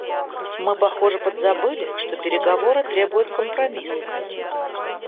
Мы, похоже, подзабыли, что переговоры требует компромисса.